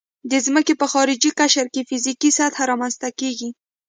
د ځمکې په خارجي قشر کې فزیکي سطحه رامنځته کیږي